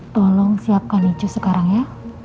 tolong siapkan icu sekarang ya